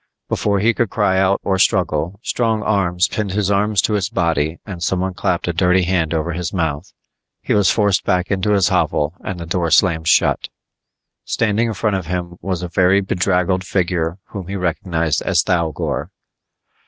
Before he could cry out or struggle, strong arms pinned his arms to his body and someone clapped a dirty hand over his mouth. He was forced back into his hovel and the door slammed shut. Standing in front of him was a very bedraggled figure whom he recognized as Thougor.